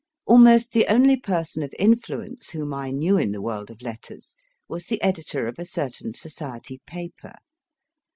Almost the only person of i 4 4 MY FIRST BOOK influence whom I knew in the world of letters was the editor of a certain society paper.